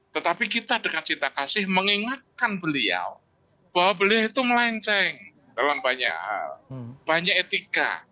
tetapi kita dengan cita kasih mengingatkan beliau bahwa beliau itu melenceng dalam banyak etika